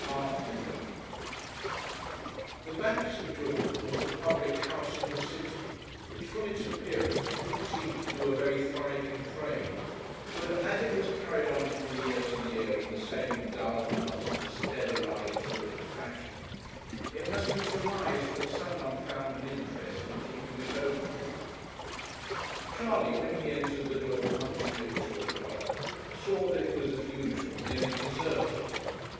AFTERNOON The 'Banks of Jordan' was a public house in the city, which from its appearance did not seem to do a very thriving trade; but as it was carried on from year to year in the same dull, monotonous, dead alive sort of fashion, it must be surmised that some one found an interest in keeping it open. Charley, when he entered the door punctually at two o'clock, saw that it was as usual nearly deserted.